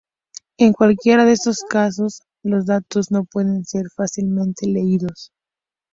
En cualquiera de estos casos, los datos no pueden ser fácilmente leídos.